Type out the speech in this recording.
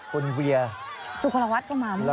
คุณเวียร์